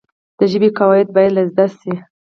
د ژبي قواعد باید زده سي.